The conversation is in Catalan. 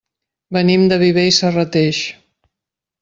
Venim de Viver i Serrateix.